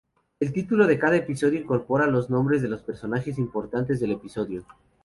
El título de cada episodio incorpora los nombres de los personajes importantes del episodio.